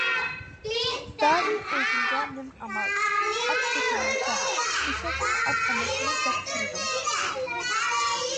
دائىم ئۆزۈمگە نېمە ئامال؟ ئات تېپىلمىسا ئېشەكمۇ، ئات ئەمەسمۇ، دەپ تۇردۇم.